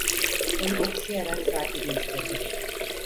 Onu okşayarak sakinleştirdi...